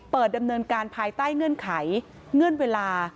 ดำเนินการภายใต้เงื่อนไขเงื่อนเวลา